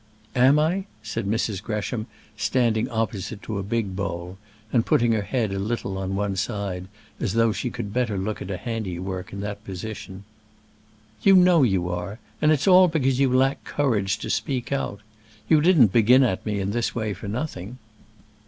"Am I?" said Mrs. Gresham, standing opposite to a big bowl, and putting her head a little on one side, as though she could better look at her handiwork in that position. "You know you are; and it's all because you lack courage to speak out. You didn't begin at me in this way for nothing."